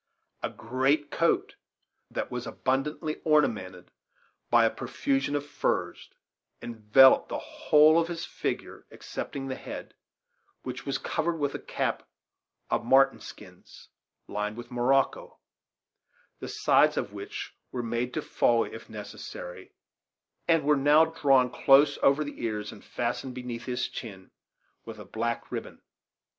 A great coat, that was abundantly ornamented by a profusion of furs, enveloped the whole of his figure excepting the head, which was covered with a cap of marten skins lined with morocco, the sides of which were made to fall, if necessary, and were now drawn close over the ears and fastened beneath his chin with a black ribbon.